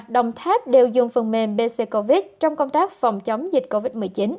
đồng tháp đều dùng phần mềm bc covid trong công tác phòng chống dịch covid một mươi chín